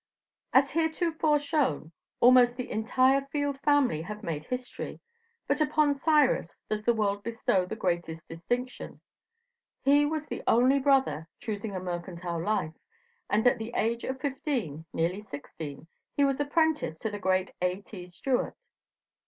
As heretofore shown, almost the entire Field family have made history, but upon Cyrus does the world bestow the greatest distinction. He was the only brother choosing a mercantile life, and at the age of fifteen, nearly sixteen, he was apprenticed to the great A. T. Stewart.